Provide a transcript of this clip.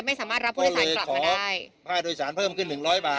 ไม่สามารถรับผู้โดยสารกลับมาได้ค่าโดยสารเพิ่มขึ้นหนึ่งร้อยบาท